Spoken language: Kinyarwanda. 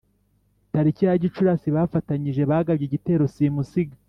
Tariki ya Gicurasi bafatanyije bagabye igitero simusiga